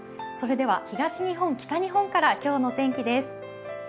それでは東日本、北日本から今日の天気です。